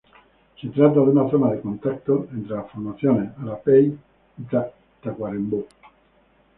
Se trata de una zona de contacto entre las formaciones Arapey y Tacuarembó.